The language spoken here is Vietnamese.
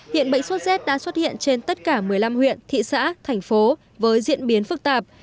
hiện bệnh sốt rét đã xuất hiện trên tất cả một mươi năm huyện thị xã thành phố với diễn biến phức tạp